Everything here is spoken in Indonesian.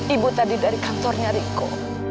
ibu tadi dari kantornya riko